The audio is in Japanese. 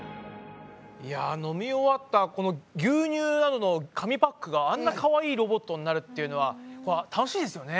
いや飲み終わったこの牛乳などの紙パックがあんなかわいいロボットになるっていうのは楽しいですよね！